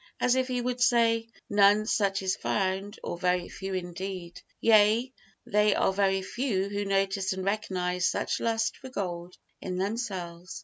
As if he would say: "None such is found, or very few indeed." Yea, they are very few who notice and recognise such lust for gold in themselves.